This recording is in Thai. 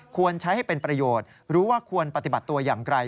ควรใช้ให้เป็นประโยชน์รู้ว่าควรปฏิบัติตัวอย่างไร